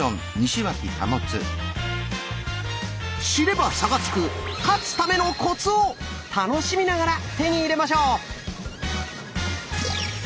知れば差がつく「勝つためのコツ」を楽しみながら手に入れましょう！